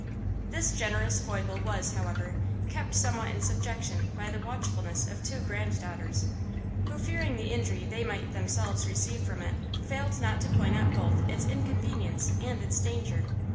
This generous foible was, however, kept somewhat in subjection by the watchfulness of two grand daughters, who, fearing the injury they might themselves receive from it, failed not to point out both its inconvenience and its danger.